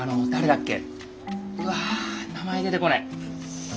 うわ名前出てこない。